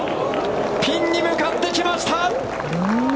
ピンに向かってきました。